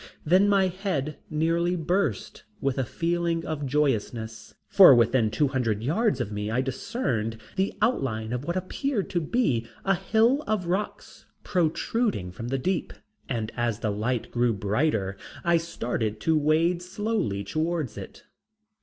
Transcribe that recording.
Then my head nearly burst with a feeling of joyousness, for within two hundred yards of me I discerned the outline of what appeared to be a hill of rocks protruding from the deep, and as the light grew brighter I started to wade slowly towards it.